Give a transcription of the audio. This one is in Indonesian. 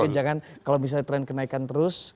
jangan kalau misalnya tren kenaikan terus